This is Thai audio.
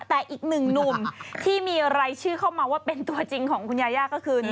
แต่อีกหนึ่งหนุ่มที่มีรายชื่อเข้ามาว่าเป็นตัวจริงของคุณยาย่าก็คือ